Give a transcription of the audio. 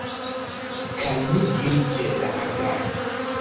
Kaj mi diris el la arbaro: